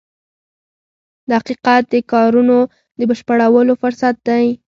• دقیقه د کارونو د بشپړولو فرصت دی.